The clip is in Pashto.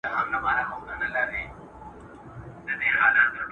ډېره ډوډۍ به ماڼۍ ته یوړل سي.